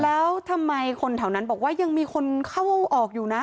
แล้วทำไมคนแถวนั้นบอกว่ายังมีคนเข้าออกอยู่นะ